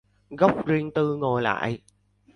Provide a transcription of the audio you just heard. Góc riêng tư ngồi lại